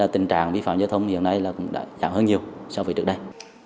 tình trạng vi phạm giao thông hiện nay cũng đã giảm hơn nhiều so với trước đây